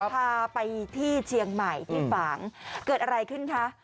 พาไปที่เชียงใหม่ที่ฝางเกิดอะไรขึ้นคะ